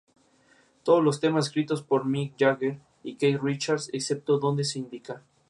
Destaca el retablo mayor de Francisco Mir, en estilo renacentista manierista.